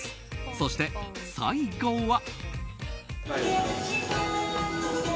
そして、最後は。